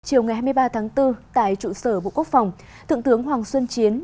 chiều ngày hai mươi ba tháng bốn tại trụ sở bộ quốc phòng thượng tướng hoàng xuân chiến